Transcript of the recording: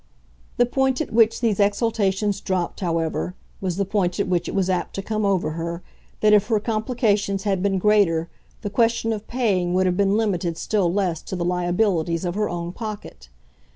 The point at which these exaltations dropped, however, was the point at which it was apt to come over her that if her complications had been greater the question of paying would have been limited still less to the liabilities of her own pocket.